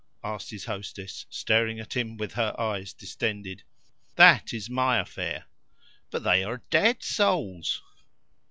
asked his hostess, staring at him with her eyes distended. "That is MY affair." "But they are DEAD souls."